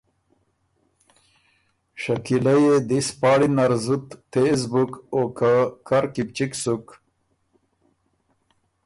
شکیلۀ يې دِس پاړی نر زُت تېز بُک او که کر کی بو چِک سُک۔